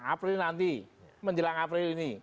april nanti menjelang april ini